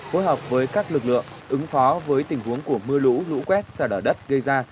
phối hợp với các lực lượng ứng phó với tình huống của mưa lũ lũ quét xa đở đất gây ra